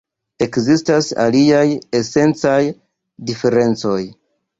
Ekzistas aliaj esencaj diferencoj.